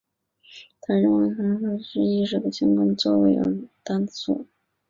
他认为波函数由于与意识的相互作用而坍缩。